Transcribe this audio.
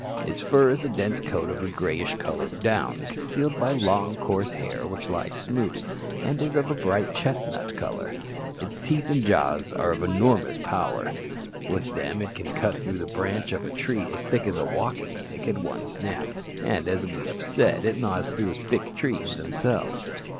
Its fur is a dense coat of a grayish coloured down, concealed by long coarse hair, which lies smooth, and is of a bright chestnut colour. Its teeth and jaws are of enormous power; with them it can cut through the branch of a tree as thick as a walking stick at one snap, and, as we have said, it gnaws through thick trees themselves.